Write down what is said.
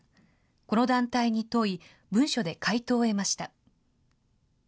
この団体に問い、文書で回答を得ました。